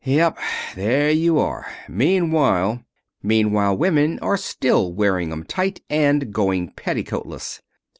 "Yep. There you are. Meanwhile " "Meanwhile, women are still wearing 'em tight, and going petticoatless."